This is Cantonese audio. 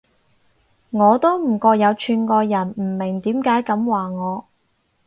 我都唔覺有串過人，唔明點解噉話我